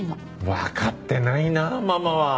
わかってないなあママは。